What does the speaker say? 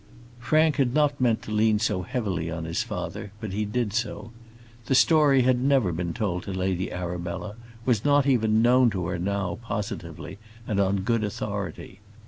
Frank had not meant to lean so heavily on his father; but he did do so. The story had never been told to Lady Arabella; was not even known to her now, positively, and on good authority.